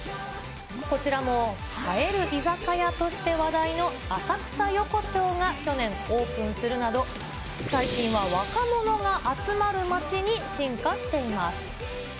こちらも映える居酒屋として話題の浅草横丁が去年オープンするなど、最近は若者が集まる街に進化しています。